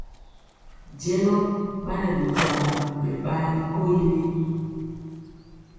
Jɛlɔ ɓa nɛ bikwagi ɓɛ ɓaani koyili.